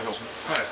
はい。